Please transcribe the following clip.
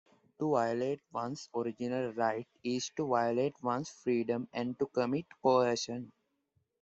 To violate one's original right is to violate one's freedom and to commit coercion.